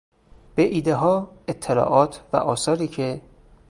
به ایدهها، اطلاعات و آثاری که